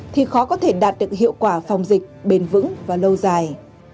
thì khó có thể đạt được hiệu quả phòng dịch bền vững và lâu dài